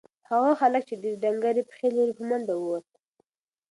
هغه هلک چې ډنگرې پښې لري په منډه ووت.